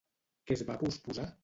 Què es va posposar?